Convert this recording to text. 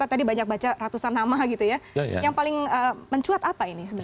ada ratusan nama gitu ya yang paling mencuat apa ini